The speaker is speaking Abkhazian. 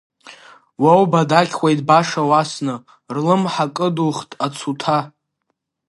Уа убадақьуеит баша уасны, рлымҳа кыдухт ацуҭа…